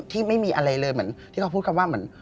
ไม่มีอะไรเลยเหมือนที่เขาพูดคำว่าเหมือน